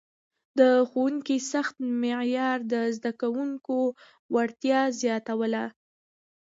د ښوونکي سخت معیار د زده کوونکو وړتیا زیاتوله.